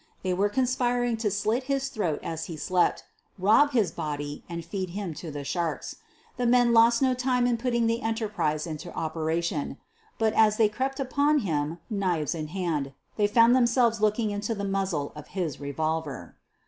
They were conspiring to slit his throat as he slept, QUEEN OF THE BURGLARS' 85 rob his body and feed him to the sharks. The men lost no time in putting the enterprise into opera tion. But, as they crept upon him, knives in hand, they found themselves looking into the muzzle of his revolver.